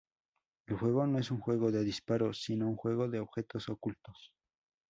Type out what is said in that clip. El juego no es un juego de disparos, sino un juego de objetos ocultos.